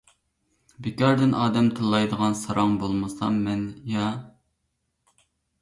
بىكاردىن ئادەم تىللايدىغان ساراڭ بولمىسام مەن-يا.